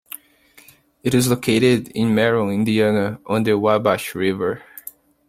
It is located in Merom, Indiana, on the Wabash River.